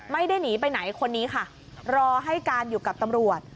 ไม่ได้หนีไปไหนคนนี้ค่ะรอให้การอยู่กับตำรวจ